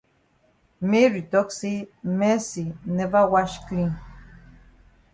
Mary tok say Mercy never wash clean.